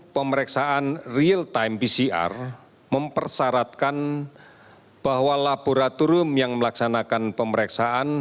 pemeriksaan real time pcr mempersyaratkan bahwa laboratorium yang melaksanakan pemeriksaan